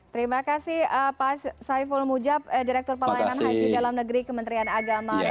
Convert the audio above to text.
terima kasih pak saiful mujab direktur pelayanan haji dalam negeri kementerian agama republik indonesia